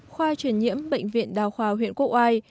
khoa truyền nhiễm bệnh viện đào khoa huyện cô ai